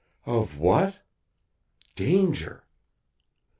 "Of what? Danger!